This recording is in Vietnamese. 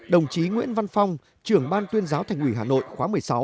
đồng chí nguyễn văn phong trưởng ban tuyên giáo thành ủy hà nội khóa một mươi sáu